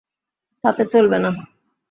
তাতে চলবে না।